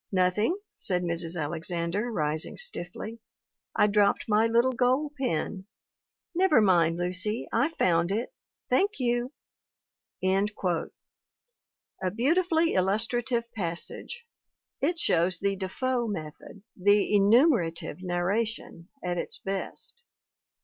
" 'Nothing/ said Mrs. Alexander, rising stiffly. 'I dropped my little gold pin. Never mind, Lucy, I found it, thank you !'' A beautifully illustrative passage. It shows the Defoe method, the enumerative narration, at its best.